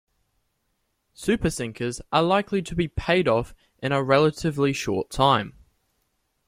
Super sinkers are likely to be paid off in a relatively short time.